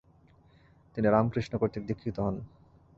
তিনি রামকৃষ্ণ কর্তৃক দীক্ষিত হন।